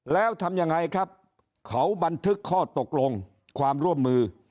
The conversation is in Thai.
แล้วทำยังไงครับเขาบันทึกข้อตกลงความร่วมมือ